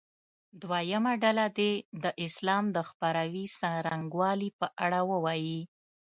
دویمه ډله دې د اسلام د خپراوي څرنګوالي په اړه ووایي.